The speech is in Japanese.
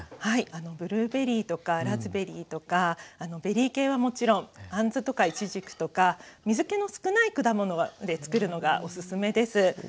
はいブルーベリーとかラズベリーとかベリー系はもちろんアンズとかイチジクとか水けの少ない果物でつくるのがオススメです。